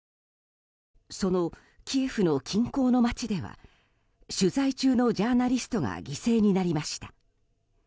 そのキエフの近郊の街では取材中のジャーナリストが犠牲になりました。